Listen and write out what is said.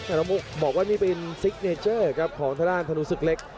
อารมุกบอกว่านี่เป็นซิกเนเจอร์ของทะลาธนูศึกเล็ก